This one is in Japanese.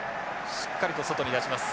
しっかりと外に出します。